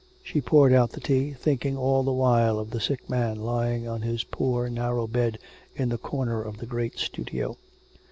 She poured out the tea, thinking all the while of the sick man lying on his poor narrow bed in the corner of the great studio.